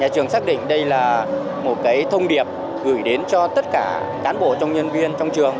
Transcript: trường xác định đây là một thông điệp gửi đến cho tất cả cán bộ trong nhân viên trong trường